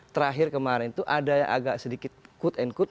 terakhir kemarin itu ada yang agak sedikit quote and quote